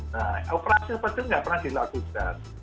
nah operasi apa itu nggak pernah dilakukan